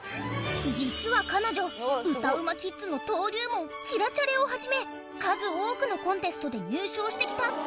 実は彼女歌うまキッズの登竜門キラチャレをはじめ数多くのコンテストで入賞してきたつわものなのじゃ。